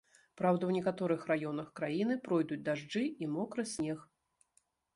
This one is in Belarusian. Праўда, у некаторых раёнах краіны пройдуць дажджы і мокры снег.